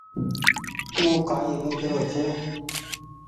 او ڪآئي ويچ رو ڇي۔